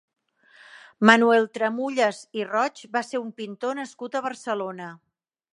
Manuel Tramulles i Roig va ser un pintor nascut a Barcelona.